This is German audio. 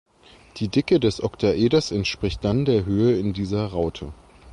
Die Dicke des Oktaeders entspricht dann der Höhe in dieser Raute.